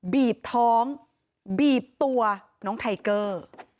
บีบท้องบีบตัวน้องไทเกอร์